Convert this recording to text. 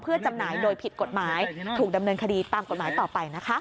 เพื่อจำหน่ายโดยผิดกฎหมายถูกดำเนินคดีตามกฎหมายต่อไปนะคะ